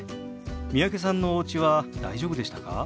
三宅さんのおうちは大丈夫でしたか？